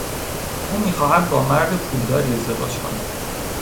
او میخواهد با مرد پولداری ازدواج کند.